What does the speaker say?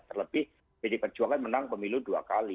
terlebih pd perjuangan menang pemilu dua kali